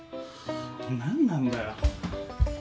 何なんだよ。